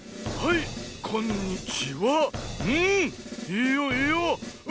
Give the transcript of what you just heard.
いいよいいよ。